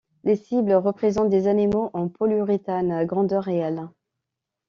Les cibles représentent des animaux en polyuréthane, grandeur réelle.